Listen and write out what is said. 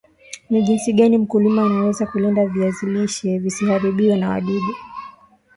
ni jinsi gani mkulima anaweza kulinda viazi lishe visiharibiwe na wadudu